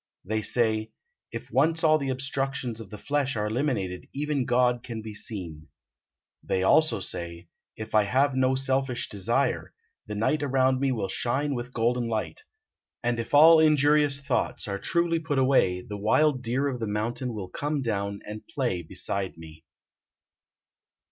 They say, "If once all the obstructions of the flesh are eliminated even God can be seen." They also say, "If I have no selfish desire, the night around me will shine with golden light; and if all injurious thoughts are truly put away, the wild deer of the mountain will come down and play beside me."